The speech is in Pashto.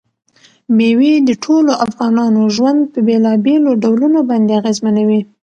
مېوې د ټولو افغانانو ژوند په بېلابېلو ډولونو باندې اغېزمنوي.